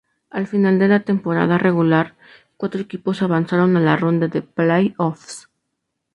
Al final de la temporada regular, cuatro equipos avanzaron a la ronda de play-offs.